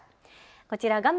こちら画面